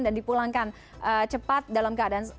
dan dipulangkan cepat dalam keadaan